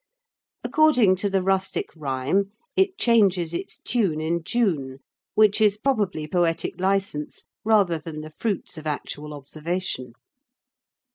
According to the rustic rhyme, it changes its tune in June, which is probably poetic licence rather than the fruits of actual observation.